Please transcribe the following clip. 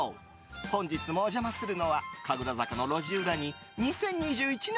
本日もお邪魔するのは神楽坂の路地裏に２０２１年